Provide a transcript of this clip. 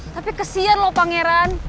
tapi kesian lu pangeran